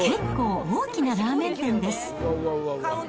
結構大きなラーメン店です。